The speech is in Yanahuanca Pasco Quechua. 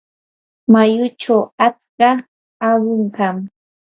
mayuchaw atska aqum kan.